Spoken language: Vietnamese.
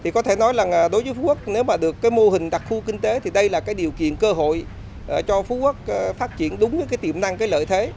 có thể nói là đối với phú quốc nếu được mô hình đặc khu kinh tế thì đây là điều kiện cơ hội cho phú quốc phát triển đúng tiềm năng lợi thế